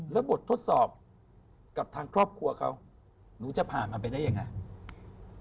แล้วบททดสอบกับทางครอบครัวเขาหนูจะผ่านมันไปได้ยังไง